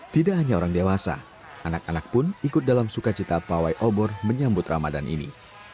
tidak hanya orang dewasa anak anak pun ikut dalam sukacita pawai obor menyambut ramadan ini